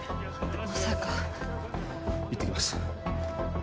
まさか行ってきます